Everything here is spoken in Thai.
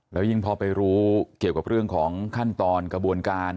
แล้วยิ่งพอไปรู้เกี่ยวกับเรื่องของขั้นตอนกระบวนการ